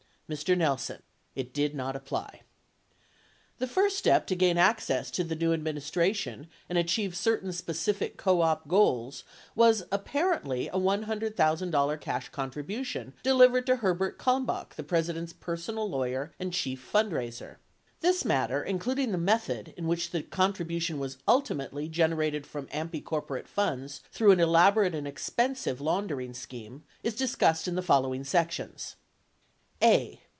Mr. Nelson. It did not apply . 28 The first step to gain access to the new administration and achieve certain specific co op goals was apparently a $100,000 cash contribu tion delivered to Herbert Kalmbach, the President's personal lawyer and chief fundraiser. This matter, including the method in which the contribution was ultimately generated from AMPI corporate funds through an elaborate and expensive laundering scheme, is discussed in the following sections. A.